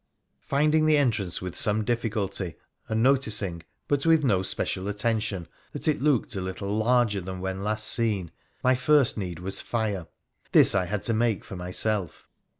Finding the entrance with some difficulty, and noticing, but with no special attention, that it looked a little larger than when last seen, my first need was fire. This I had to make for myself.